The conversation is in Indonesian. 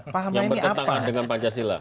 yang bertentangan dengan pancasila